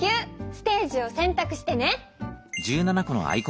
ステージをせんたくしてね。